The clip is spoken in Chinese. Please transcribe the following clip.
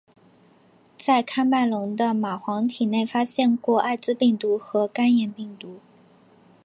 在喀麦隆的蚂蟥体内发现过艾滋病毒和肝炎病毒。